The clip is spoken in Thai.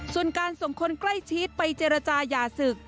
ส่วนการส่งคนใกล้ชิดไปเจรจาอย่าศึก